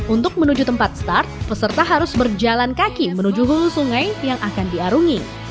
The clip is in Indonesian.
untuk menuju tempat start peserta harus berjalan kaki menuju hulu sungai yang akan diarungi